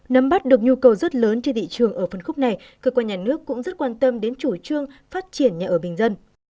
nắm bắt được nhu cầu rất lớn trên thị trường ở phân khúc này cơ quan nhà nước cũng rất quan tâm đến chủ trương phát triển nhà ở bình dân